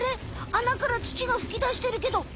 あなから土がふき出してるけど。